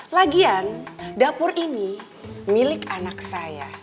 lagian dapur ini milik anak saya